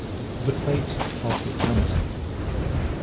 THE FATE OF THE "AMAZON."